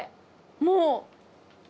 もう。